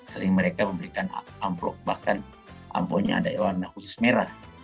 selain mereka memberikan amplop bahkan amplopnya ada warna khusus merah